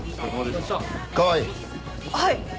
はい。